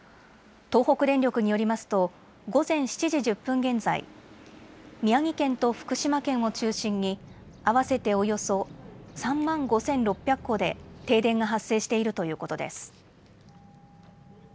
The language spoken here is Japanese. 東北電力によりますと午前７時１０分現在、宮城県と福島県を中心に合わせておよそ３万５６００戸で停電が発生しているということです。